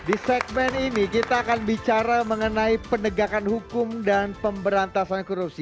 di segmen ini kita akan bicara mengenai penegakan hukum dan pemberantasan korupsi